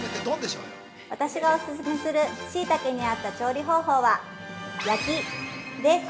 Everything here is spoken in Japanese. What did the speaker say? ◆私がお勧めするしいたけに合った調理方法は、「焼き」です。